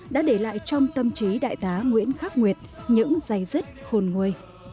đã để lại trong tâm trí đại tá nguyễn khắc nguyệt những dây dứt khôn nguôi